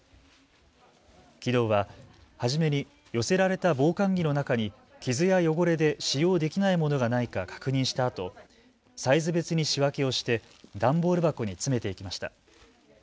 きのうは初めに寄せられた防寒着の中に傷や汚れで使用できないものがないか確認したあとサイズ別に仕分けをして段ボール箱に詰めていきました。